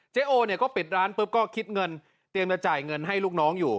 โอเนี่ยก็ปิดร้านปุ๊บก็คิดเงินเตรียมจะจ่ายเงินให้ลูกน้องอยู่